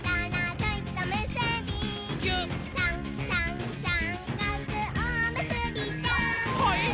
「さんさんさんかくおむすびちゃん」はいっ！